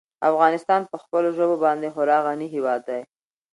افغانستان په خپلو ژبو باندې خورا غني هېواد دی.